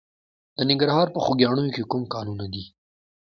د ننګرهار په خوږیاڼیو کې کوم کانونه دي؟